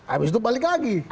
habis itu balik lagi